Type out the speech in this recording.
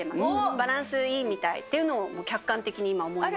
バランスいいみたいというのを客観的に今思いました。